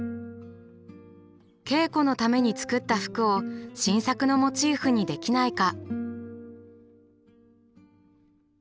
稽古のために作った服を新作のモチーフにできないか。